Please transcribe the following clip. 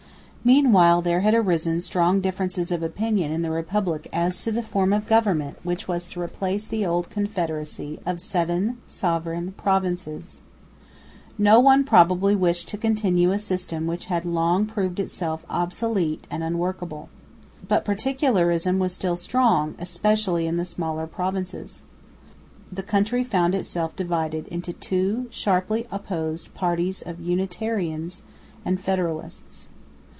Meanwhile there had arisen strong differences of opinion in the Republic as to the form of government which was to replace the old confederacy of seven sovereign provinces. No one probably wished to continue a system which had long proved itself obsolete and unworkable. But particularism was still strong, especially in the smaller provinces. The country found itself divided into two sharply opposed parties of Unitarians and federalists.